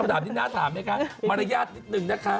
คำถามนี้น่าถามนะคะมารยาทนิดหนึ่งนะคะ